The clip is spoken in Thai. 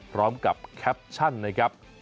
พร้อมกับแคปชั่นนะครับ